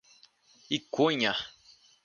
Iconha